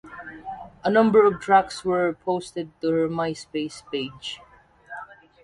A number of tracks were posted to her MySpace page.